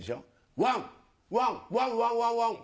ワンワンワンワンワン。